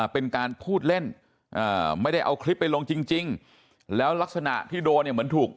เป็นการพูดเล่นไม่ได้เอาคลิปไปลงจริงแล้วลักษณะที่โดนเนี่ยเหมือนถูก